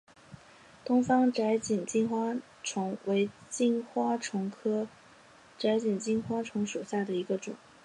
东方窄颈金花虫为金花虫科窄颈金花虫属下的一个种。